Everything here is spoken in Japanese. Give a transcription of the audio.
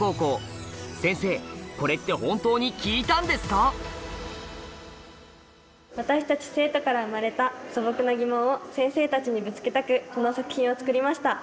１つ目は私たち生徒から生まれた素朴な疑問を先生たちにぶつけたくこの作品を作りました。